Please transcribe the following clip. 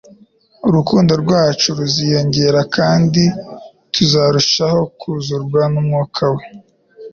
urukundo rwacu ruziyongera, kandi tuzarushaho kuzurwa n'Umwuka We.